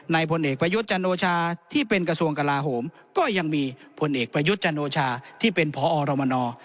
พลเอกประยุทธ์จันโอชาที่เป็นกระทรวงกลาโหมก็ยังมีผลเอกประยุทธ์จันโอชาที่เป็นพอรมน